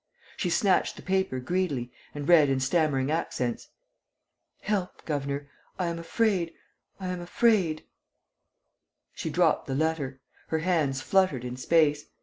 She snatched the paper greedily and read in stammering accents: "Help, governor!... I am frightened!... I am frightened!..." She dropped the letter. Her hands fluttered in space.